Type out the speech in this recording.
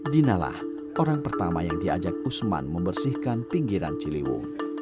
dinalah orang pertama yang diajak usman membersihkan pinggiran ciliwung